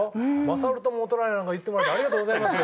勝るとも劣らないなんか言ってもらってありがとうございます。